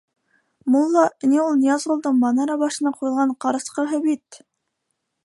Мулла ни ул Ныязғолдоң манара башына ҡуйылған ҡарасҡыһы бит.